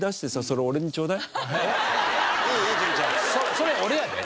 それ俺やで。